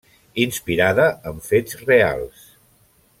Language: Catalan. Inspirada en fets reals.